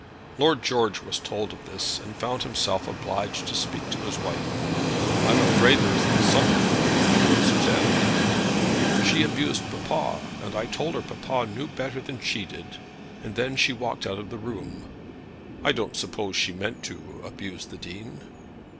Lord George was told of this, and found himself obliged to speak to his wife. "I'm afraid there has been something between you and Susanna, dear." "She abused papa, and I told her papa knew better than she did, and then she walked out of the room." "I don't suppose she meant to abuse the Dean."